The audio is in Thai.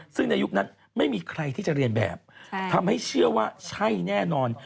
ซึ่งในยุคนั้นไม่มีใครที่จะเรียนแบบทำให้เชื่อว่าใช่แน่นอน